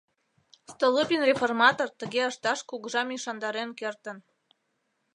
Столыпин-реформатор тыге ышташ кугыжам ӱшандарен кертын.